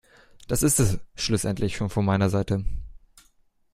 Das ist es schlussendlich schon von meiner Seite.